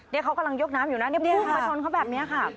นี่เขากำลังยกน้ำอยู่นะมาชนเขาแบบนี้ค่ะ